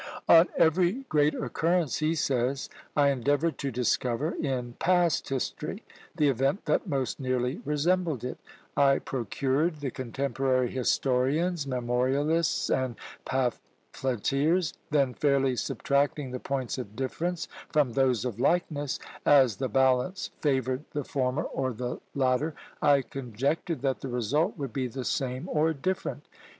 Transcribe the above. "On every great occurrence," he says, "I endeavoured to discover, in PAST HISTORY the event that most nearly resembled it. I procured the contemporary historians, memorialists, and pamphleteers. Then fairly subtracting the points of difference from those of likeness, as the balance favoured the former or the latter, I conjectured that the result would be the same or different.